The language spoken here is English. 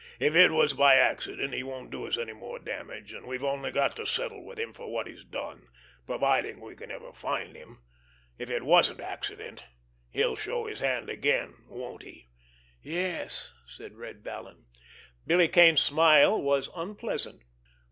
"If it was by accident, he won't do us any more damage, and we've only got to settle with him for what he's done, providing we can ever find him; if it wasn't accident he'll show his hand again—won't he?" "Yes," said Red Vallon. Billy Kane's smile was unpleasant.